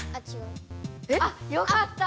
あよかった！